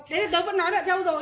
đấy là tôi vẫn nói là châu rồi